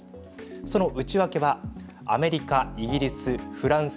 その内訳はアメリカ、イギリス